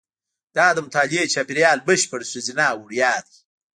دا د مطالعې چاپېریال بشپړ ښځینه او وړیا دی.